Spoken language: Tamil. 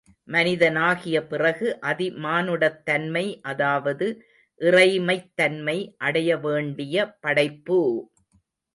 மனிதனாகிய பிறகு, அதி மானுடத் தன்மை அதாவது இறைமைத் தன்மை அடைய வேண்டிய படைப்பு!